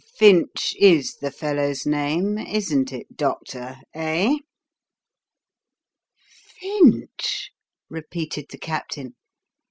Finch is the fellow's name isn't it, doctor, eh?" "Finch?" repeated the Captain.